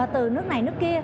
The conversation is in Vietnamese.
từ nước này nước kia